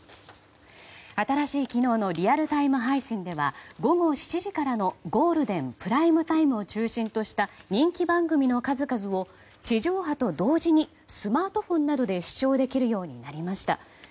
新しい機能のリアルタイム配信では午後７時からのゴールデン・プライムタイムを中心とした人気番組の数々を地上波と同時にスマートフォンなどで視聴できるようになりました。